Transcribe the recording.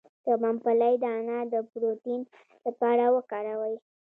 د ممپلی دانه د پروتین لپاره وکاروئ